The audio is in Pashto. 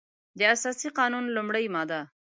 د اساسي قانون لمړۍ ماده